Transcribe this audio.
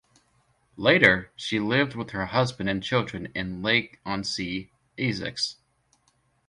Later, she lived with her husband and children in Leigh-on-Sea, Essex.